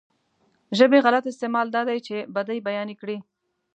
ژبې غلط استعمال دا دی چې بدۍ بيانې کړي.